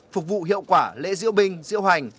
phục vụ hiệu quả lễ diễu binh diễu hành